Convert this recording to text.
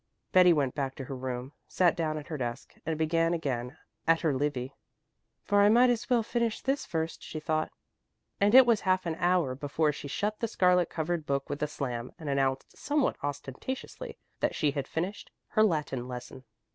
Betty went back to her room, sat down at her desk and began again at her Livy. "For I might as well finish this first," she thought; and it was half an hour before she shut the scarlet covered book with a slam and announced somewhat ostentatiously that she had finished her Latin lesson.